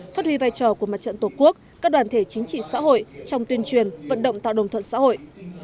phát huy vai trò của mặt trận tổ quốc các đoàn thể chính trị xã hội trong tuyên truyền vận động tạo đồng thuận xã hội